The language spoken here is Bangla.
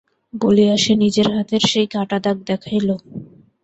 বলিয়া সে নিজের হাতের সেই কাটা দাগ দেখাইল।